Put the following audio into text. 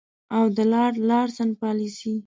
او د لارډ لارنس پالیسي.